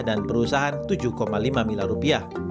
dan perusahaan tujuh lima miliar rupiah